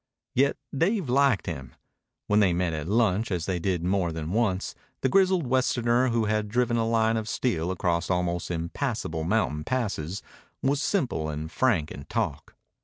Yet Dave liked him. When they met at lunch, as they did more than once, the grizzled Westerner who had driven a line of steel across almost impassable mountain passes was simple and frank in talk.